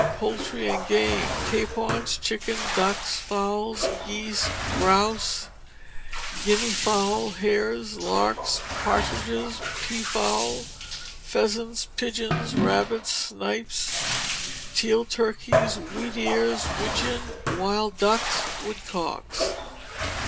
Poultry and Game. Capons, chickens, ducks, fowls, geese, grouse, guinea fowl, hares, larks, partridges, pea fowl, pheasants, pigeons, rabbits, snipes, teal, turkeys, wheat ears, widgeon, wild ducks, woodcocks.